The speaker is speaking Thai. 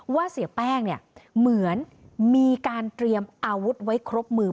เสียแป้งเนี่ยเหมือนมีการเตรียมอาวุธไว้ครบมือ